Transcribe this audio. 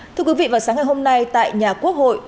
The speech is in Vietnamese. thưa quý vị vào sáng ngày hôm nay tại nhà quốc hội